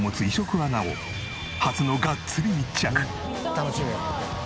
楽しみやな。